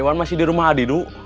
ayoan masih di rumah adi du